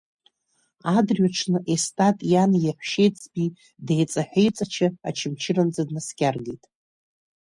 Адырҩаҽны Естат иани иаҳәшьеиҵби деиҵаҳәа-еиҵача Очамчыранӡа днаскьаргеит.